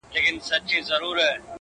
• ستادی ،ستادی، ستادی فريادي گلي،